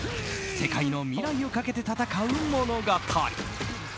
世界の未来をかけて戦う物語。